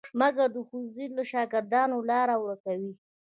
مګر د ښوونځیو له شاګردانو لاره ورکوي.